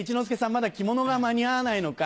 まだ着物が間に合わないのか